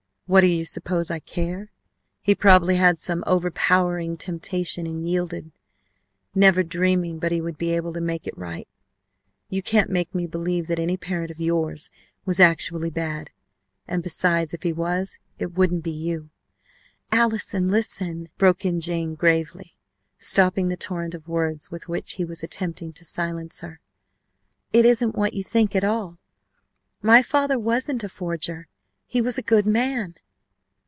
What do you suppose I care? He probably had some overpowering temptation and yielded, never dreaming but he would be able to make it right. You can't make me believe that any parent of yours was actually bad! And besides, if he was, it wouldn't be you " "Allison! Listen!" broke in Jane gravely, stopping the torrent of words with which he was attempting to silence her. "It isn't what you think at all. My father wasn't a forger! He was a good man!"